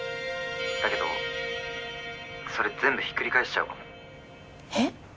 だけどそれ全部ひっくり返しちゃうかも。え？